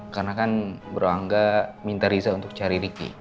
karena kan bro angga minta riza untuk cari ricky